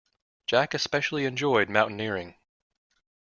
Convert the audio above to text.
Jack especially enjoyed mountaineering.